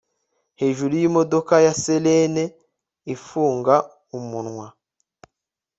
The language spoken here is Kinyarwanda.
hejuru yimodoka ya Selene ifunga umunwa